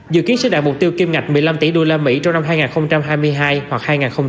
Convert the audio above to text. dự kiến sẽ đạt mục tiêu kiếm ngạch một mươi năm tỷ đô la mỹ trong năm hai nghìn hai mươi hai hoặc hai nghìn hai mươi ba